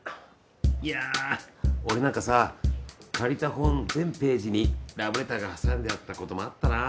いや俺なんかさ借りた本全ページにラブレターが挟んであったこともあったな。